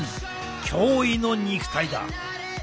驚異の肉体だ。